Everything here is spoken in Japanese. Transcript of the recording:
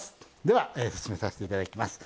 では進めさせて頂きます。